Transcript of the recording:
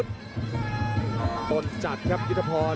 ต้นจัดครับยุทธพร